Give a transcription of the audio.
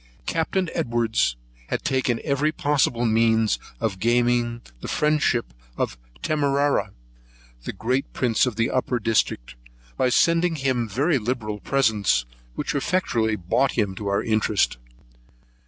Captain Edwards had taken every possible means of gaining the friendship of Tamarrah, the great prince of the upper district, by sending him very liberal presents, which effectually brought him over to our interest.